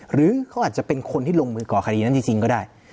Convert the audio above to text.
หรือเขาอาจจะเป็นคนที่ลงมือก่อคดีนั้นจริงก็ได้